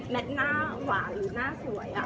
หน้าหวานหรือหน้าสวย